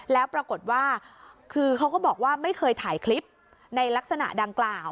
แล้วปรากฏว่าคือเขาก็บอกว่าไม่เคยถ่ายคลิปในลักษณะดังกล่าว